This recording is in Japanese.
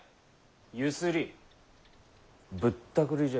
ゆすりぶったくりじゃ。